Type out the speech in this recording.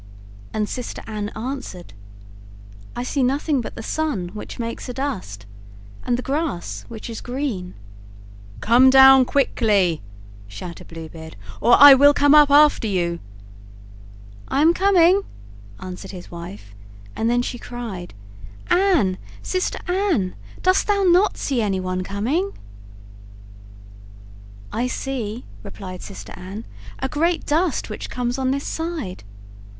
And sister Anne answered: "I see nothing but the sun, which makes a dust, and the grass, which is green." "Come down quickly," shouted Blue Beard, "or I will come up after you." "I am coming," answered his wife; and then she cried: "Anne, sister Anne, dost thou not see any one coming?" "I see," replied sister Anne, "a great dust, which comes on this side."